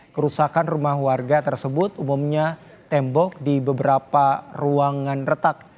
kerusakan rumah warga tersebut umumnya tembok di beberapa ruangan retak